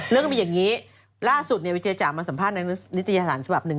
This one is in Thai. เรื่องมันเป็นอย่างนี้ล่าสุดวิเจจ๋ามาสัมภาษณ์ในวิทยาศาสตร์ฉบับหนึ่ง